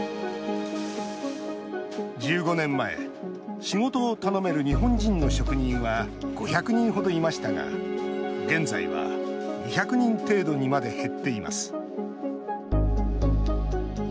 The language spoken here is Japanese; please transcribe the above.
１５年前、仕事を頼める日本人の職人は５００人程いましたが現在は２００人程度にまで減っています。